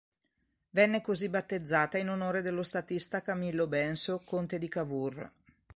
Venne così battezzata in onore dello statista Camillo Benso Conte di Cavour.